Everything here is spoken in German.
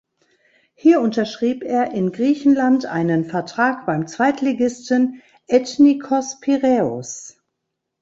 Hier unterschrieb er in Griechenland einen Vertrag beim Zweitligisten Ethnikos Piräus.